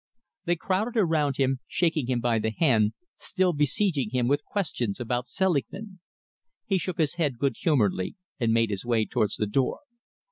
They crowded around him, shaking him by the hand, still besieging him with questions about Selingman. He shook his head good humouredly and made his way towards the door.